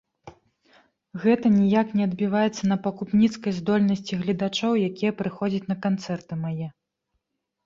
Гэта ніяк не адбіваецца на пакупніцкай здольнасці гледачоў, якія прыходзяць на канцэрты мае.